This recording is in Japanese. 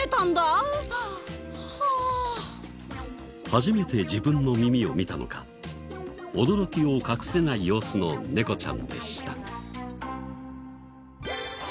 初めて自分の耳を見たのか驚きを隠せない様子の猫ちゃんでした。